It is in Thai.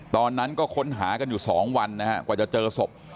ตอนนั้นก็ค้นหากันอยู่๒วันนะฮะกว่าจะเจอศพ